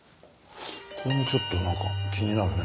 これもちょっとなんか気になるね。